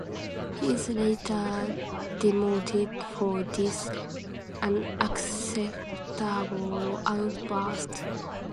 He is later demoted for this unacceptable outburst.